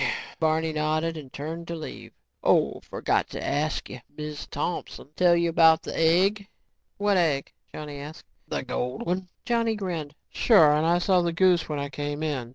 Barney nodded and turned to leave. "Oh, forgot to ask you. Miz Thompson tell you about the egg?" "What egg?" Johnny asked. "The gold one." Johnny grinned. "Sure, and I saw the goose when I came in.